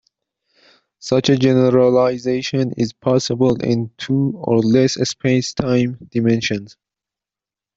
Such a generalization is possible in two or less spacetime dimensions.